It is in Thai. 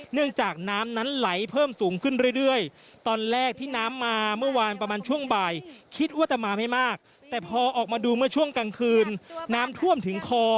อยู่เมื่อช่วงกลางคืนน้ำท่วมถึงคอ